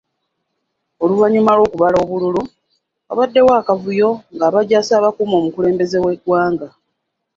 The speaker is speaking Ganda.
Oluvannyuma lw’okubala obululu, wabaddewo akavuyo ng’abajaasi abakuuma omukulembeze w’eggwanga.